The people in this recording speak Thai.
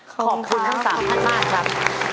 ขอบคุณทั้ง๓ท่านมากครับ